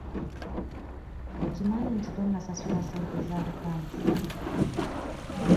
Okimanyi nti tonnasasula ssente za bupangisa?